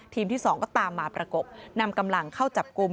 ที่๒ก็ตามมาประกบนำกำลังเข้าจับกลุ่ม